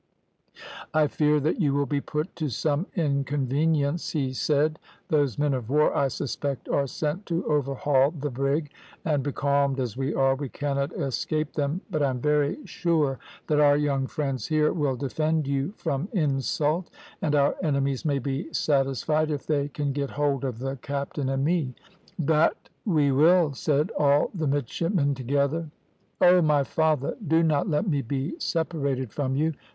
"`I fear that you will be put to some inconvenience,' he said; `those men of war I suspect are sent to overhaul the brig, and, becalmed as we are, we cannot escape them, but I am very sure that our young friends here will defend you from insult, and our enemies may be satisfied if they can get hold of the captain and me.' "`That we will,' said all the midshipmen together. "`Oh, my father, do not let me be separated from you.